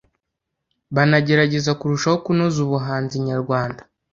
banagerageza kurushaho kunoza ubuhanzi nyarwanda.